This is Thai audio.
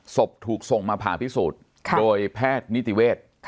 ศพถูกส่งมาผ่าพิสูจน์โดยแพทย์นิติเวศ